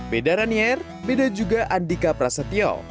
beda ranier beda juga andika prasetyo